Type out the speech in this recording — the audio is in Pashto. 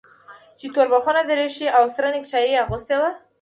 چې توربخونه دريشي او سره نيكټايي يې اغوستې وه.